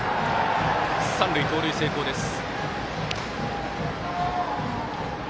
三塁、盗塁成功です。